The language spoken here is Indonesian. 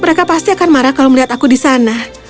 mereka pasti akan marah kalau melihat aku di sana